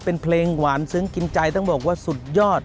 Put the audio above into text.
เป็นเพลงหวานซึ้งกินใจต้องบอกว่าสุดยอด